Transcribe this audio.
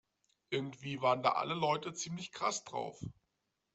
Irgendwie waren da alle Leute ziemlich krass drauf.